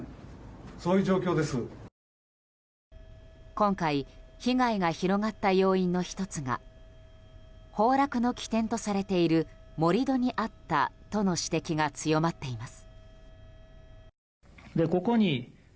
今回、被害が広がった要因の１つが崩落の起点とされている盛り土にあったとの指摘が強まっています。